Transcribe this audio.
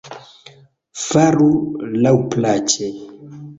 Faru laŭplaĉe!